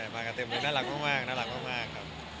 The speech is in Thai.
มากันเต็มน่ารักมาก